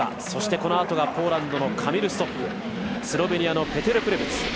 そしてそのあとがポーランドのカミル・ストッフスロベニアのペテル・プレブツ。